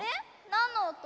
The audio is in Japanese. なんのおと？